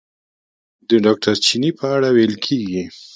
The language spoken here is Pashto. د ډاکټر چیني په اړه ویل کېږي.